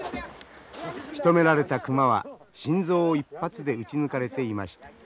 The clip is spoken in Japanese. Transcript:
しとめられた熊は心臓を一発で撃ち抜かれていました。